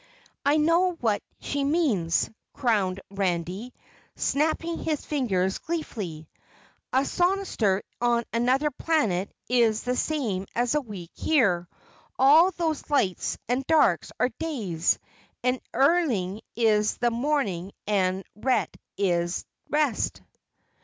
"I know what she means," crowed Randy, snapping his fingers gleefully. "A sonestor on Anuther Planet is the same as a week here; all those lights and darks are days, and earling is the morning and ret is rest!"